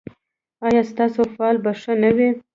ایا ستاسو فال به ښه نه وي؟